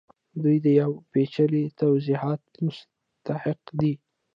دوی د یو پیچلي توضیحاتو مستحق دي